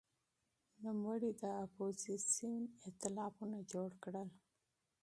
نوموړي د اپوزېسیون ائتلافونه جوړ کړل.